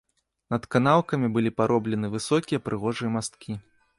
Над канаўкамі былі пароблены высокія прыгожыя масткі.